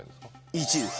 １位です。